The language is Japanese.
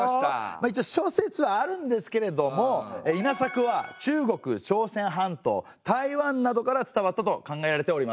諸説あるんですけれども稲作は中国朝鮮半島台湾などから伝わったと考えられております。